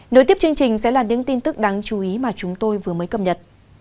nối tiếp chương trình sẽ là những tin tức đáng chú ý mà chúng tôi vừa mới cập nhật